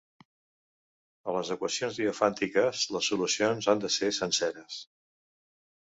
A les equacions diofàntiques, les solucions han de ser senceres.